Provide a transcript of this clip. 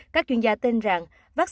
các chuyên gia tên rằng